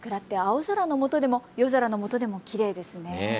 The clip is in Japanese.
青空のもとでも夜空のもとでもきれいですね。